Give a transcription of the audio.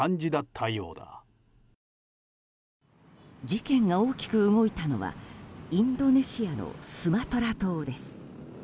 事件が大きく動いたのはインドネシアのスマトラ島です。